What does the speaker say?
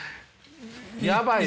やばいぞ。